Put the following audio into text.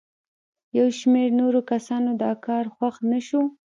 یو شمېر نورو کسانو دا کار خوښ نه شو.